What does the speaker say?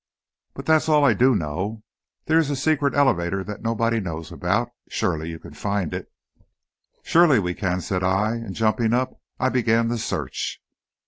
"But that's all I do know. There is a secret elevator that nobody knows about. Surely you can find it." "Surely we can!" said I, and jumping up, I began the search.